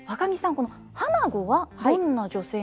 この花子はどんな女性なんですか？